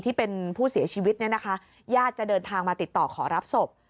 ที่เป็นผู้เสียชีวิตเนี่ยนะคะญาติจะเดินทางมาติดต่อขอรับศพ